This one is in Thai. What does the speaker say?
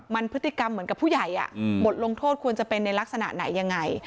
มันพฤติกรรมเหมือนกับผู้ใหญ่บทลงโทษควรจะเป็นในลักษณะไหนยังไง